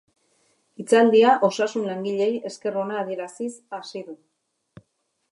Hitzaldia osasun langileei esker ona adieraziz hasi du.